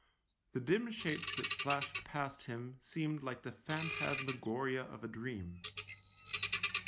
The dim shapes that flashed past him seemed like the phantas magoria of a dream.